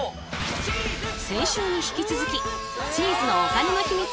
先週に引き続きチーズのお金のヒミツ